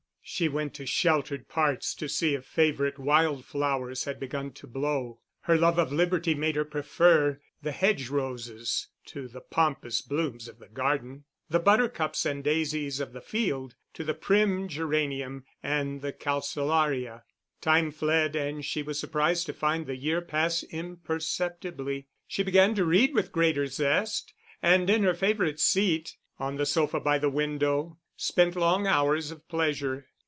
She went to sheltered parts to see if favourite wild flowers had begun to blow: her love of liberty made her prefer the hedge roses to the pompous blooms of the garden, the buttercups and daisies of the field to the prim geranium, and the calcellaria. Time fled and she was surprised to find the year pass imperceptibly. She began to read with greater zest, and in her favourite seat, on the sofa by the window, spent long hours of pleasure.